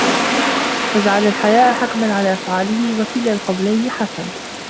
فَجَعَلَ الْحَيَاءَ حَكَمًا عَلَى أَفْعَالِهِ وَكِلَا الْقَوْلَيْنِ حَسَنٌ